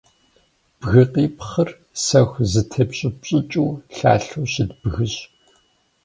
Бгыкъипхъыр сэху зэтепщӏыпщӏыкӏыу, лъалъэу щыт бгыщ.